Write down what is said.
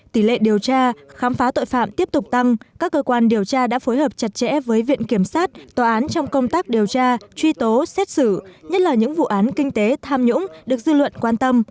tỷ lệ điều tra khám phá tội phạm tiếp tục tăng các cơ quan điều tra đã phối hợp chặt chẽ với viện kiểm sát tòa án trong công tác điều tra truy tố xét xử nhất là những vụ án kinh tế tham nhũng được dư luận quan tâm